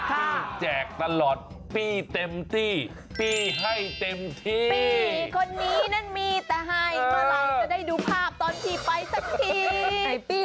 ปี้แจกตลอดปี้เต็มที่ปี้ให้เต็มที่